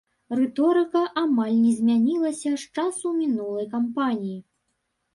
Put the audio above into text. Рыторыка амаль не змянілася з часу мінулай кампаніі.